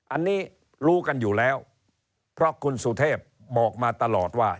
อันนี้รู้กันอยู่แล้วเพราะคุณสุเทพบอกมาตลอดว่า